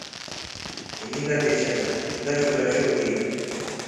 Ini ngatisha Ngashoka shoki.